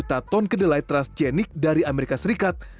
kita ton kedelai transjenik dari amerika serikat